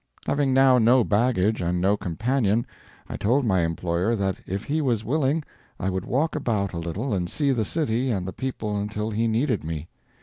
Having now no baggage and no companion, I told my employer that if he was willing, I would walk about a little and see the city and the people until he needed me.